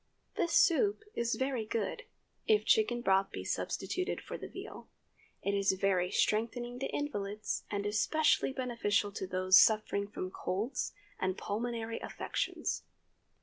This soup is very good, if chicken broth be substituted for the veal. It is very strengthening to invalids, and especially beneficial to those suffering from colds and pulmonary affections.